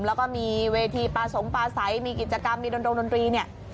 แล้วก็มีเวทีปลาสงปลาใสมีกิจกรรมมีดนรงดนตรีเนี่ย